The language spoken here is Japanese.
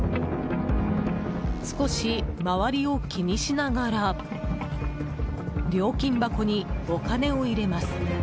少し周りを気にしながら料金箱にお金を入れます。